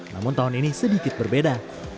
namun tahun ini sedikit berbeda